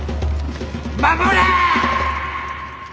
守れ！